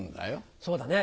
そうだね。